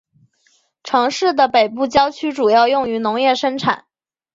城市的北部郊区主要用于农业生产。